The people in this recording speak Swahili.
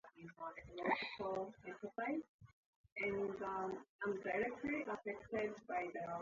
washtakiwa hao pia wanashtakiwa kwa uhalivu wa vita kushiriki katika harakati za uasi na kushirikiana na wahalifu